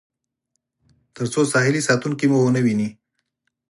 تر څو ساحلي ساتونکي مو ونه وویني.